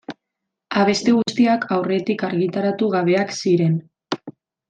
Abesti guztiak aurretik argitaratu gabeak ziren.